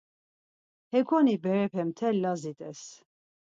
Hekoni berepe mtel Lazi t̆es.